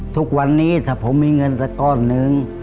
ทุกวันนี้ถ้าผมมีเงินสักก้อนนึง